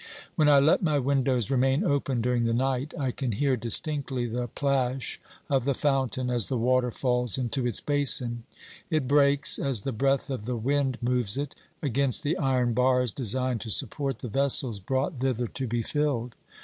When I let my windows remain open during the night, I can hear distinctly the plash of the fountain, as the water falls into its basin ; it breaks, as the breath of the wind moves it, against the iron bars designed to support the vessels brought thither to be filled.